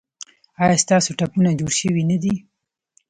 ایا ستاسو ټپونه جوړ شوي نه دي؟